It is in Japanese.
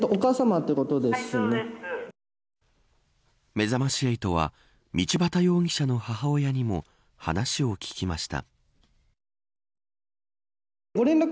めざまし８は道端容疑者の母親にも話を聞きました。